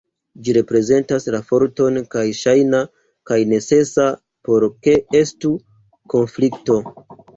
Ĝi reprezentas la forton kaj ŝajna kaj necesa por ke estu konflikto.